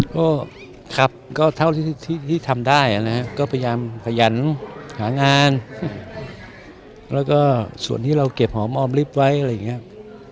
ก็ครับก็เท่าที่ทำได้นะครับก็พยายามขยันหางานแล้วก็ส่วนที่เราเก็บหอมออมลิฟต์ไว้อะไรอย่างนี้ครับ